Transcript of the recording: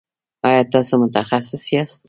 ایا تاسو متخصص یاست؟